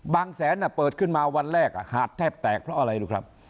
แสนเปิดขึ้นมาวันแรกหาดแทบแตกเพราะอะไรรู้ครับ